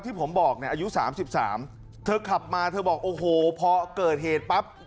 ผมบอกเนี่ยอายุ๓๓เธอขับมาเธอบอกโอ้โหพอเกิดเหตุปั๊บ